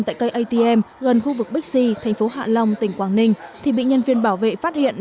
tại cây atm gần khu vực bixi thành phố hạ long tỉnh quảng ninh thì bị nhân viên bảo vệ phát hiện